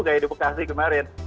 kayak di bekasi kemarin